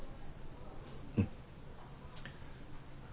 うん。